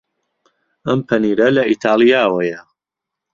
ئەم پەنیرە لە ئیتاڵیاوەیە.